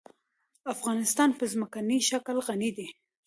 افغانستان په ځمکنی شکل غني دی.